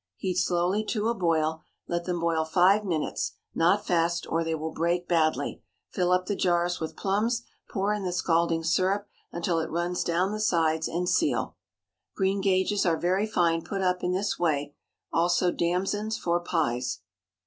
Heat slowly to a boil. Let them boil five minutes—not fast or they will break badly, fill up the jars with plums, pour in the scalding syrup until it runs down the sides, and seal. Greengages are very fine put up in this way; also damsons for pies.